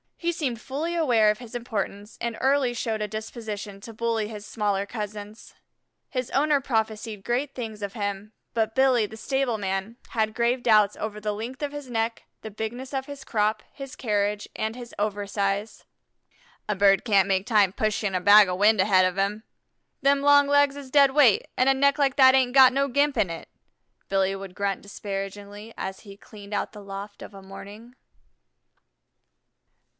He seemed fully aware of his importance, and early showed a disposition to bully his smaller cousins. His owner prophesied great things of him, but Billy, the stable man, had grave doubts over the length of his neck, the bigness of his crop, his carriage, and his over size. "A bird can't make time pushing a bag of wind ahead of him. Them long legs is dead weight, an' a neck like that ain't got no gimp in it," Billy would grunt disparagingly as he cleaned out the loft of a morning.